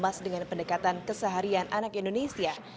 lepas dengan pendekatan keseharian anak indonesia